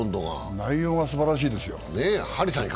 内容がすばらしいですよ。